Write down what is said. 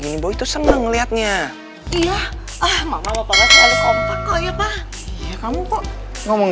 aku sangat menyukai itu seneng lihatnya iya ah mama munculnya pidat jangan lah kamu nggak mau ngomong